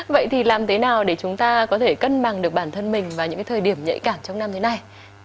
vậy thì làm thế nào để chúng ta có thể cân bằng được bản thân mình vào những thời điểm nhạy cảm trong năm thế này